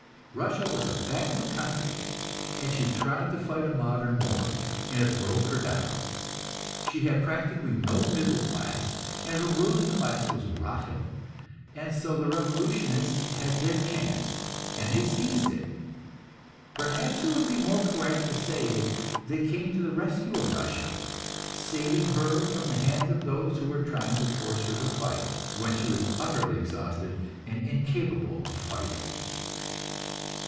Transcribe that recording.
Russia was a backward country, and she tried to fight a modern war, and it broke her down. She had practically no middle class, and her ruling class was rotten, and so the revolutionists had their chance, and they seized it. Perhaps it would be more correct to say that they came to the rescue of Russia, saving her from the hands of those who were trying to force her to fight, when she was utterly exhausted and incapable of fighting.